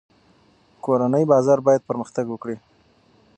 کورني بازار باید پرمختګ وکړي.